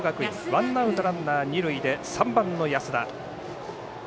ワンアウト、ランナー、二塁で３番の安田。